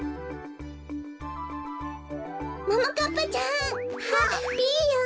ももかっぱちゃん！あっピーヨン！